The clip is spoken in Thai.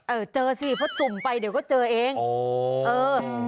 เออเจอสิเพราะสุ่มไปเดี๋ยวก็เจอเองโอ้เออ